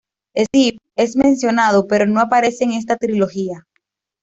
Steve es mencionado pero no aparece en esta trilogía.